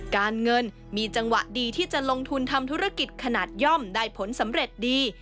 การเงินมีจังหวะดีที่จะลงทุนทำธุรกิจขนาดย่อมได้ผลสำเร็จดี